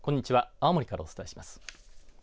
青森からお伝えします。